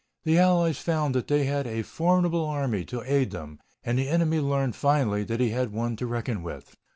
"The Allies found that they had a formidable army to aid them, and the enemy learned finally that he had one to reckon with."